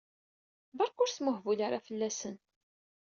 Berka ur smuhbul ara fell-asen!